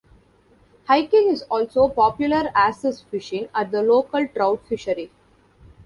Hiking is also popular as is fishing at the local trout fishery.